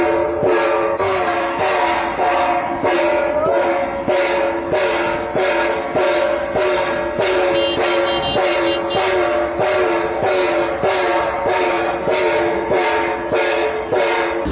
หรือว่าเกิดอะไรขึ้น